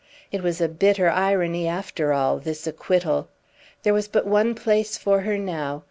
It was a bitter irony, after all, this acquittal! There was but one place for her now.